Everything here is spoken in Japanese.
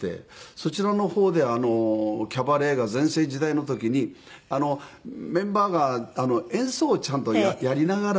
そちらの方でキャバレーが全盛時代の時にメンバーが演奏をちゃんとやりながらやっていて。